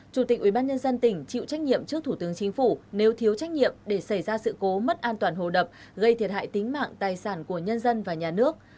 chủ tịch ubnd tỉnh chịu trách nhiệm trước thủ tướng chính phủ nếu thiếu trách nhiệm để xảy ra sự cố mất an toàn hồ đập gây thiệt hại tính mạng tài sản của nhân dân và nhà nước